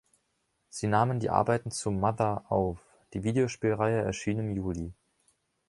Sie nahmen die Arbeiten zu „Mother“ auf, die Videospielreihe erschien im Juli.